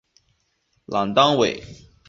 朗丹韦。